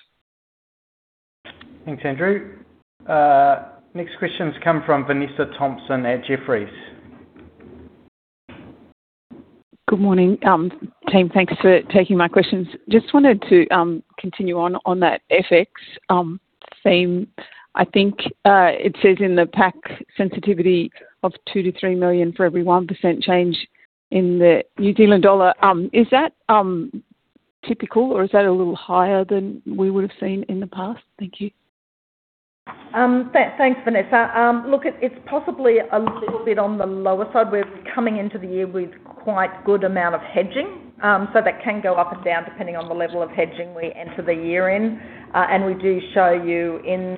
Thanks, Andrew. Next questions come from Vanessa Thomson at Jefferies. Good morning, team. Thank you for taking my questions. Just wanted to continue on that FX theme. I think it says in the pack sensitivity of 2 million-3 million for every 1% change in the New Zealand dollar. Is that typical or is that a little higher than we would've seen in the past? Thank you. Thanks, Vanessa. Look, it's possibly a little bit on the lower side. We're coming into the year with quite good amount of hedging, so that can go up and down depending on the level of hedging we enter the year in. We do show you in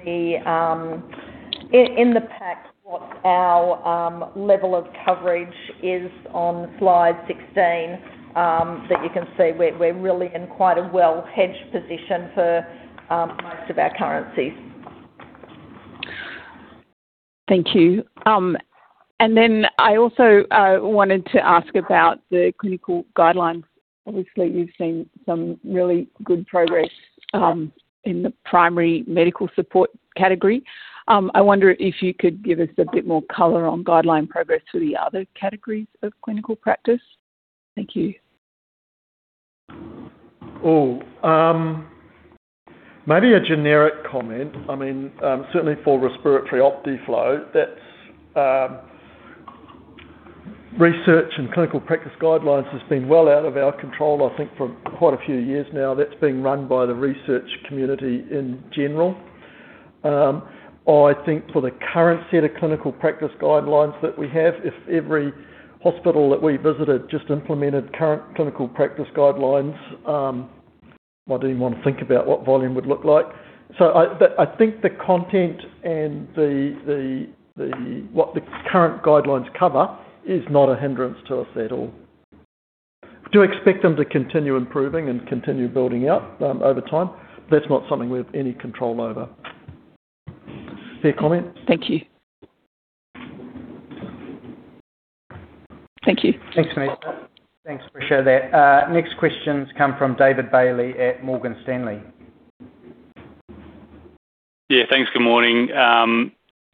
the pack what our level of coverage is on slide 16. You can see we're really in quite a well-hedged position for most of our currencies. Thank you. I also wanted to ask about the clinical guidelines. Obviously, we've seen some really good progress in the primary medical support category. I wonder if you could give us a bit more color on guideline progress for the other categories of clinical practice. Thank you. Maybe a generic comment. Certainly for respiratory Optiflow, research and clinical practice guidelines has been well out of our control, I think for quite a few years now. That is being run by the research community in general. I think for the current set of clinical practice guidelines that we have, if every hospital that we visited just implemented current clinical practice guidelines, I do not even want to think about what volume would look like. I think the content and what the current guidelines cover is not a hindrance to us at all. We do expect them to continue improving and continue building up over time. That is not something we have any control over. Fair comment. Thank you. Thank you. Thanks, Vanessa Thomson. Next questions come from David Bailey at Morgan Stanley. Yeah, thanks. Good morning.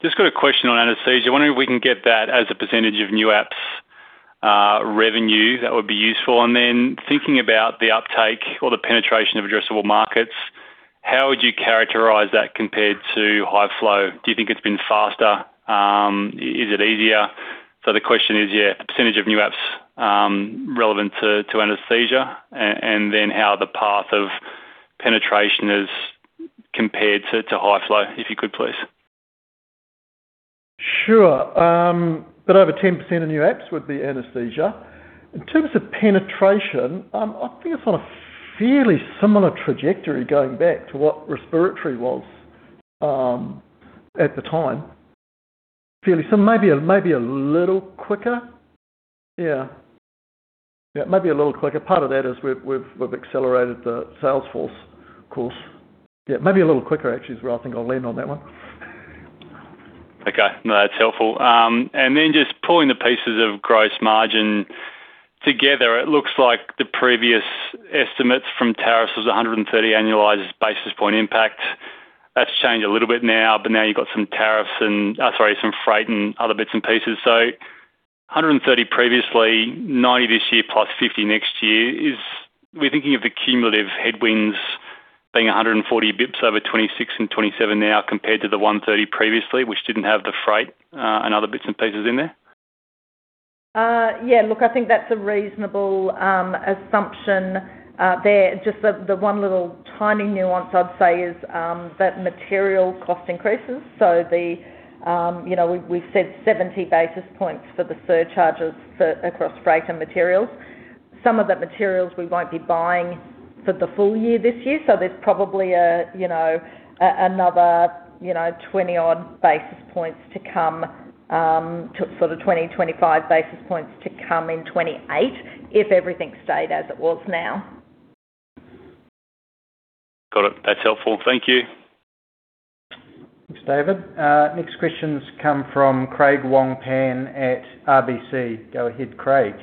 Just got a question on anesthesia. Wondering if we can get that as a percentage of New Apps revenue, that would be useful. Thinking about the uptake or the penetration of addressable markets, how would you characterize that compared to high flow? Do you think it's been faster? Is it easier? The question is, yeah, percentage of new apps relevant to anesthesia, and then how the path of penetration is compared to high flow, if you could, please. Sure. Over 10% of new apps would be anesthesia. In terms of penetration, I think it's on a fairly similar trajectory going back to what respiratory was at the time. Maybe a little quicker. Maybe a little quicker. Part of that is we've accelerated the sales force, of course. Maybe a little quicker, actually, is where I think I'll lean on that one. Okay. No, that's helpful. Just pulling the pieces of gross margin together, it looks like the previous estimates from tariffs was 130 annualized basis point impact. That's changed a little bit now, but now you've got some freight and other bits and pieces. 130 previously, 90 this year, +50 next year is, we're thinking of the cumulative headwinds being 140 bits over 2026 and 2027 now, compared to the 130 previously, which didn't have the freight and other bits and pieces in there. Yeah, look, I think that's a reasonable assumption there. Just the one little tiny nuance I'd say is that material cost increases. We said 70 basis points for the surcharges across freight and materials. Some of the materials we won't be buying for the full year this year. There's probably another 20-odd basis points to come, sort of 20-25 basis points to come in 2028, if everything stayed as it was now. Got it. That's helpful. Thank you. Thanks, David. Next questions come from Craig Wong-Pan at RBC. Go ahead, Craig.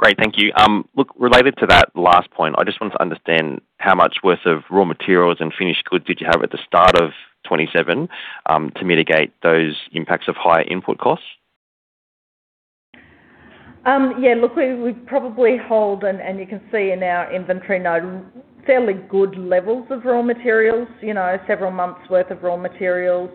Great. Thank you. Look, related to that last point, I just want to understand how much worth of raw materials and finished goods did you have at the start of 2027 to mitigate those impacts of higher input costs? Look, we probably hold, and you can see in our inventory now, fairly good levels of raw materials, several months worth of raw materials.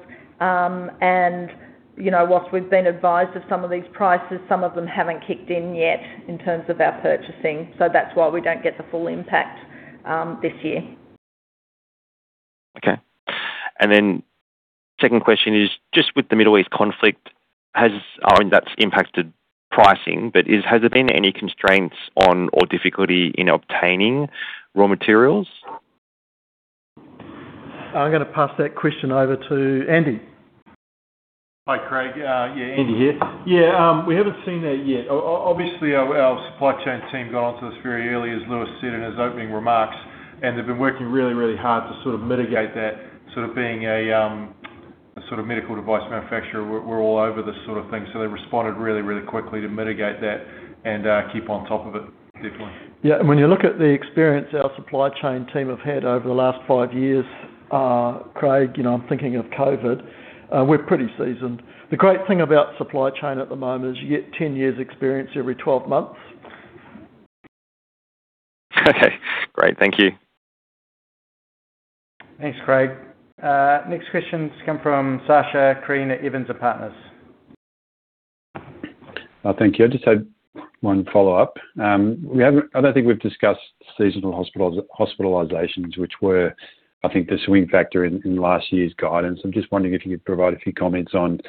Whilst we've been advised of some of these prices, some of them haven't kicked in yet in terms of our purchasing. That's why we don't get the full impact this year. Okay. Second question is, just with the Middle East conflict, I mean, that's impacted pricing, but has there been any constraints on or difficulty in obtaining raw materials? I'm going to pass that question over to Andy. Hi, Craig. Yeah, Andy here. Yeah, we haven't seen that yet. Obviously, our supply chain team got onto this very early, as Lewis said in his opening remarks, and they've been working really hard to mitigate that, being a medical device manufacturer, we're all over this sort of thing. They responded really quickly to mitigate that and keep on top of it definitely. When you look at the experience our supply chain team have had over the last five years, Craig, I'm thinking of COVID, we're pretty seasoned. The great thing about supply chain at the moment is you get 10 years experience every 12 months. Great. Thank you. Thanks, Craig. Next questions come from Sacha Krien, Evans & Partners. Thank you. I just had one follow-up. I don't think we've discussed seasonal hospitalizations, which were, I think, the swing factor in last year's guidance. I'm just wondering if you could provide a few comments on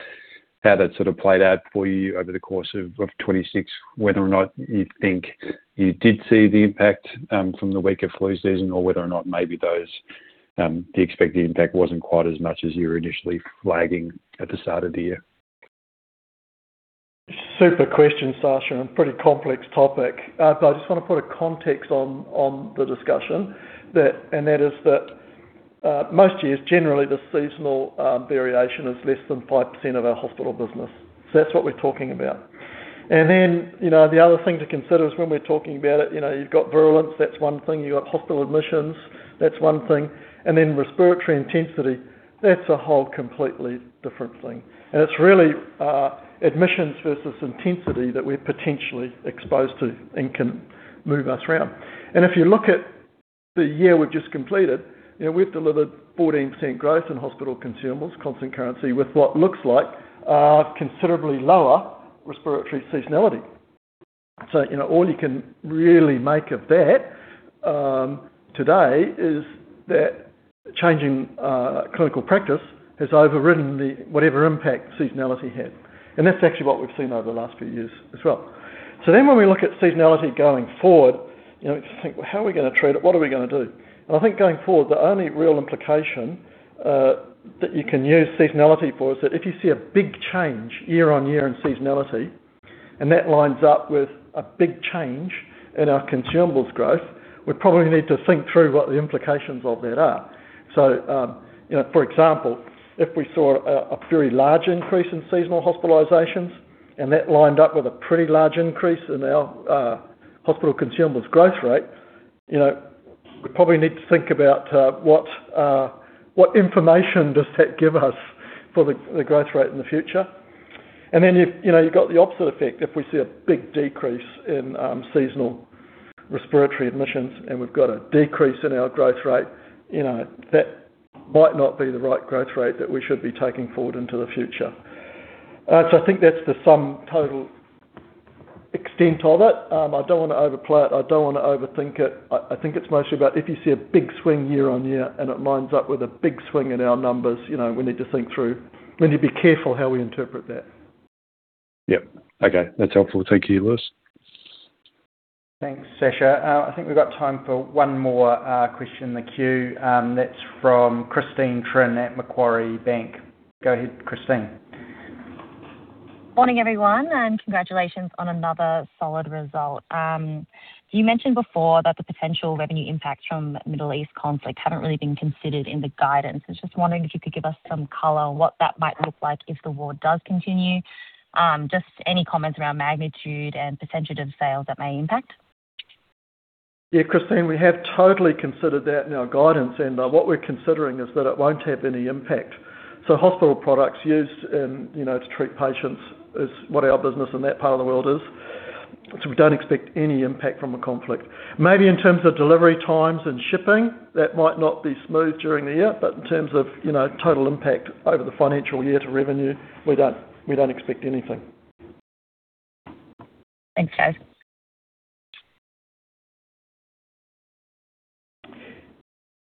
how that sort of played out for you over the course of 2026, whether or not you think you did see the impact from the weaker flu season or whether or not maybe the expected impact wasn't quite as much as you were initially flagging at the start of the year. Super question, Sacha, pretty complex topic. I just want to put a context on the discussion, and that is that most years, generally, the seasonal variation is less than 5% of our Hospital business. That's what we're talking about. The other thing to consider is when we're talking about it, you've got virulence, that's one thing. You've got hospital admissions, that's one thing. Respiratory intensity, that's a whole completely different thing. It's really admissions versus intensity that we're potentially exposed to and can move us around. The year we've just completed, we've delivered 14% growth in hospital consumables, constant currency, with what looks like considerably lower respiratory seasonality. All you can really make of that today is that changing clinical practice has overridden whatever impact seasonality had. That's actually what we've seen over the last few years as well. When we look at seasonality going forward, just think, well, how are we going to treat it? What are we going to do? I think going forward, the only real implication that you can use seasonality for is that if you see a big change year-on-year in seasonality, and that lines up with a big change in our consumables growth, we probably need to think through what the implications of that are. For example, if we saw a very large increase in seasonal hospitalizations and that lined up with a pretty large increase in our hospital consumables growth rate, we probably need to think about what information does that give us for the growth rate in the future. Then you've got the opposite effect. If we see a big decrease in seasonal respiratory admissions and we've got a decrease in our growth rate, that might not be the right growth rate that we should be taking forward into the future. I think that's the sum total extent of it. I don't want to overplay it. I don't want to overthink it. I think it's mostly about if you see a big swing year-on-year and it lines up with a big swing in our numbers, we need to think through. We need to be careful how we interpret that. Yep. Okay. That's helpful. Thank you, Lewis. Thanks, Sacha. I think we've got time for one more question in the queue. That's from Christine Trinh at Macquarie Bank. Go ahead, Christine. Morning, everyone. Congratulations on another solid result. You mentioned before that the potential revenue impact from the Middle East conflict hadn't really been considered in the guidance. I was just wondering if you could give us some color on what that might look like if the war does continue. Just any comments around magnitude and percentage of sales that may impact? Yeah, Christine, we have totally considered that in our guidance. What we're considering is that it won't have any impact. Hospital products used to treat patients is what our business in that part of the world is. We don't expect any impact from a conflict. Maybe in terms of delivery times and shipping, that might not be smooth during the year. In terms of total impact over the financial year to revenue, we don't expect anything. Thanks, guys.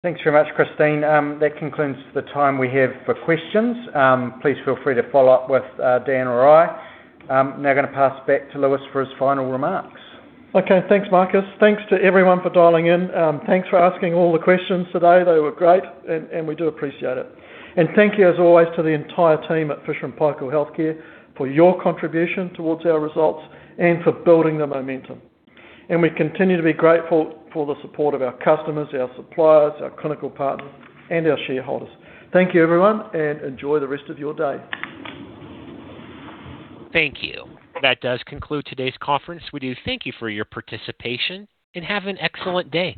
Thanks very much, Christine. That concludes the time we have for questions. Please feel free to follow up with Dan or I. I'm now going to pass back to Lewis for his final remarks. Okay, thanks, Marcus. Thanks to everyone for dialing in. Thanks for asking all the questions today. They were great, and we do appreciate it. Thank you as always to the entire team at Fisher & Paykel Healthcare for your contribution towards our results and for building the momentum. We continue to be grateful for the support of our customers, our suppliers, our clinical partners, and our shareholders. Thank you, everyone, and enjoy the rest of your day. Thank you. That does conclude today's conference. We do thank you for your participation, and have an excellent day.